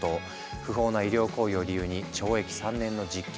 不法な医療行為を理由に懲役３年の実刑判決が下った。